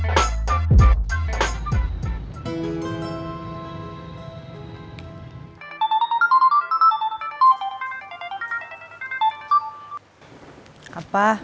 dik dik yang bakal naik